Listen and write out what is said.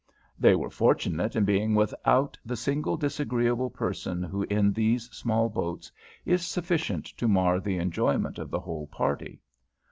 They were fortunate in being without the single disagreeable person who in these small boats is sufficient to mar the enjoyment of the whole party.